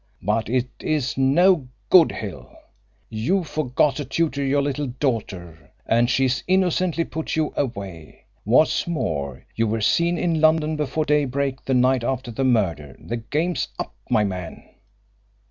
But it's no good, Hill. You forgot to tutor your little daughter, and she's innocently put you away. What's more, you were seen in London before daybreak the night after the murder. The game's up, my man."